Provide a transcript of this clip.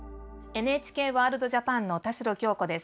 「ＮＨＫワールドＪＡＰＡＮ」の田代杏子です。